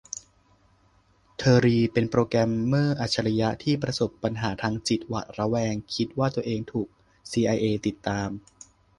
เทอร์รีเป็นโปรแกรมเมอร์อัจฉริยะที่ประสบปัญหาทางจิต หวาดระแวงคิดว่าตัวเองถูกซีไอเอติดตาม